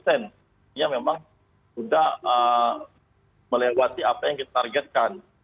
ini memang sudah melewati apa yang kita targetkan